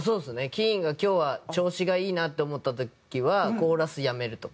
ＫＥＥＮが今日は調子がいいなって思った時はコーラスやめるとか。